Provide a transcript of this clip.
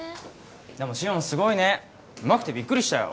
でも紫音すごいねうまくてびっくりしたよ